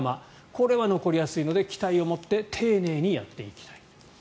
これは残りやすいので期待を持って丁寧にやっていきたい。